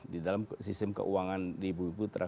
di dalam sistem keuangan di bumi putra